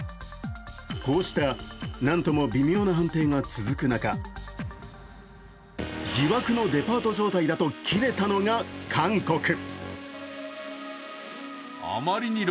こうしたなんとも微妙な判定が続く中、疑惑のデパート状態だとキレたのが韓国。